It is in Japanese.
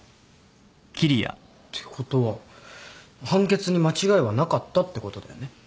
ってことは判決に間違いはなかったってことだよね？